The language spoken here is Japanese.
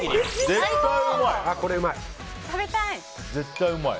絶対うまい！